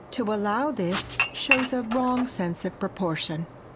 To allow this shows a wrong sense of proportion.